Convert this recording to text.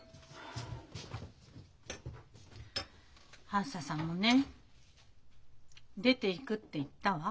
あづささんもね「出ていく」って言ったわ。